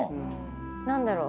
何だろう？